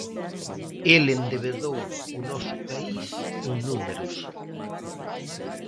El endebedou o noso país en números.